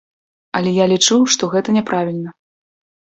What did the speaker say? Але я лічу, што гэта няправільна.